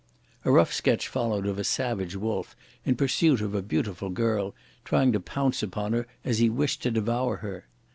A rough sketch followed of a savage wolf, in pursuit of a beautiful girl, trying to pounce upon her as he wished to devour her.